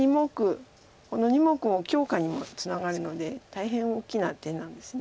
この２目の強化にもつながるので大変大きな手なんです。